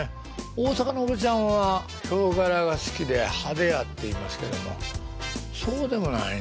大阪のおばちゃんはヒョウ柄が好きで派手やっていいますけどもそうでもないんですよねこのごろは。